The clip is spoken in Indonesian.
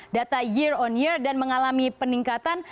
data year on year dan mengalami peningkatan